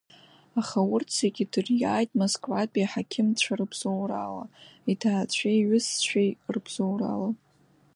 Аха урҭ зегьы дыриааит Москватәи аҳақьымцәа рыбзоурала, иҭаацәеи иҩызцәеи рыбзоурала…